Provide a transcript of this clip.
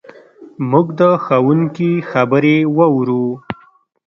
موږ د ښوونکي خبرې واورو.